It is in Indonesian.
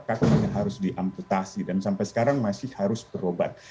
kakaknya harus diamputasi dan sampai sekarang masih harus berobat